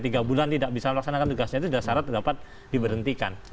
tiga bulan tidak bisa melaksanakan tugasnya itu sudah syarat dapat diberhentikan